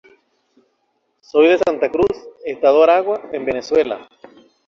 Aguilera se presentó en distintos escenarios para promocionar "Stripped".